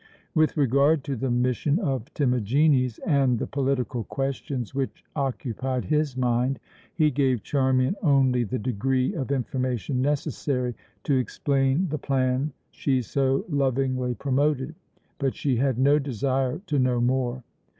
With regard to the mission of Timagenes and the political questions which occupied his mind, he gave Charmian only the degree of information necessary to explain the plan she so lovingly promoted; but she had no desire to know more.